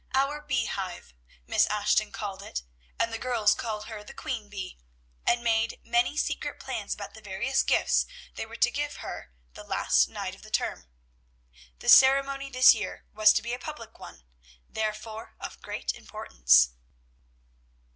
"Our bee hive," Miss Ashton called it, and the girls called her the "queen bee," and made many secret plans about the various gifts they were to give her the last night of the term. The ceremony this year was to be a public one, therefore of great importance.